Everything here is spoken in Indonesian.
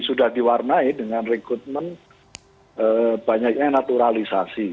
ya sudah diwarnai dengan rekrutmen banyak yang naturalisasi